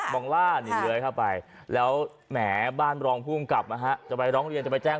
องล่านี่เลื้อยเข้าไปแล้วแหมบ้านรองภูมิกับจะไปร้องเรียนจะไปแจ้ง